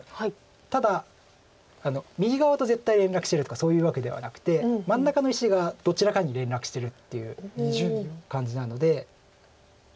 ただ右側と絶対連絡してるとかそういうわけではなくて真ん中の石がどちらかに連絡してるっていう感じなので何ですかね。